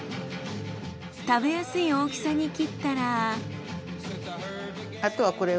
食べやすい大きさに切ったら。